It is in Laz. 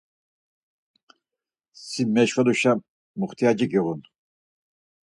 Si meşveluşa muxtiyaci giğun